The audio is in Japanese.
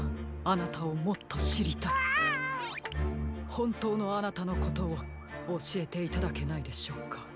ほんとうのあなたのことをおしえていただけないでしょうか？